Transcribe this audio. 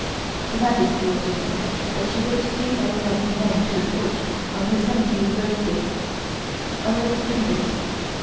Her Majesty also said that she would make our rank known to the Court on her seventieth birthday. I will explain this.